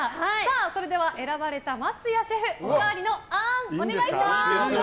それでは選ばれた桝谷シェフおかわりのあーん、お願いします。